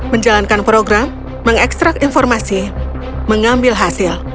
menjalankan program mengekstrak informasi mengambil hasil